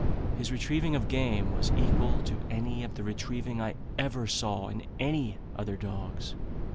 His retrieving of game was equal to any of the retrieving I ever saw in any other dogs.